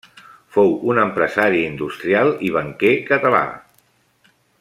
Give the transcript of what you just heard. Fou un empresari industrial i banquer català.